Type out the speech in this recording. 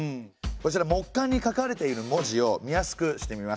こちら木簡に書かれている文字を見やすくしてみました。